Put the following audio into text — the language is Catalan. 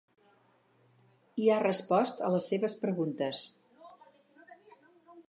I ha resposts a les seves preguntes.